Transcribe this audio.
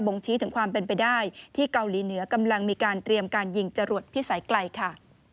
ชี้ถึงความเป็นไปได้ที่เกาหลีเหนือกำลังมีการเตรียมการยิงจรวดพิสัยไกลค่ะ